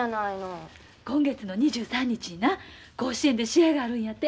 今月の２３日にな甲子園で試合があるんやて。